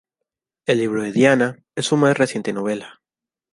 El libro de Diana" es su más reciente novela.